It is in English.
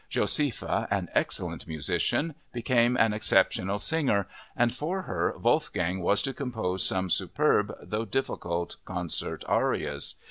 Josefa, an excellent musician, became an exceptional singer, and for her Wolfgang was to compose some superb though difficult concert arias.